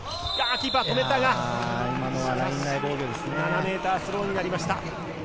キーパー、止めたが、７メータースローインになりました。